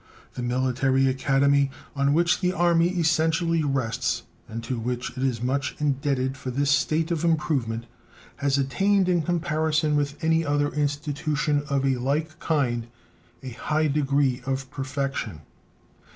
The Military Academy, on which the Army essentially rests, and to which it is much indebted for this state of improvement, has attained, in comparison with any other institution of a like kind, a high degree of perfection.